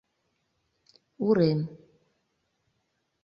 Урем.